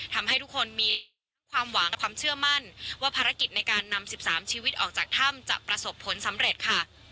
ทำให้ทุกคนมีความหวังกับความเชื่อมั่นว่าภารกิจในการนำ๑๓ชีวิตออกจากถ้ำจะประสบผลสำเร็จค่ะ